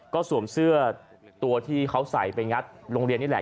ก็สวมเสื้อตัวที่เขาใส่ไปงัดโรงเรียนนี่แหละ